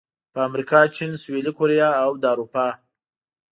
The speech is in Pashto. په امریکا، چین، سویلي کوریا او د اروپا